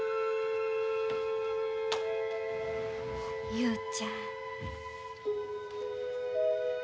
雄ちゃん。